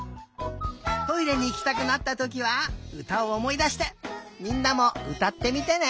トイレにいきたくなったときはうたをおもいだしてみんなもうたってみてね！